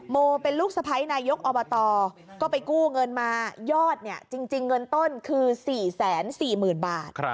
โมเป็นลูกสะพ้ายนายกอบตก็ไปกู้เงินมายอดเนี่ยจริงเงินต้นคือ๔๔๐๐๐บาท